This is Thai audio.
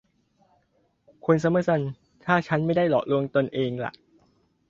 คุณซัมเมอร์ซัน ถ้าฉันไม่ได้หลอกลวงตนเองล่ะ